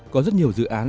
có rất nhiều dự án